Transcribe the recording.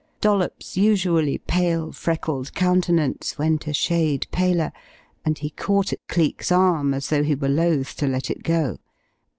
Dollops's usually pale, freckled countenance went a shade paler, and he caught at Cleek's arm as though he were loath to let it go.